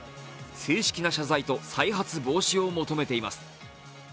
正式な謝罪と再発防止を求めています。